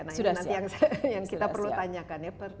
nah itu nanti yang kita perlu tanyakan ya